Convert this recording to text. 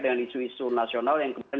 dengan isu isu nasional yang kemudian